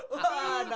wah nangis dia